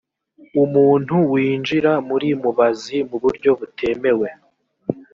umuntu winjira muri mubazi mu buryo butemewe